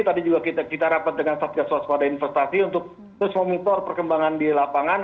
tadi juga kita rapat dengan satgaswas pada investasi untuk terus memutur perkembangan di lapangan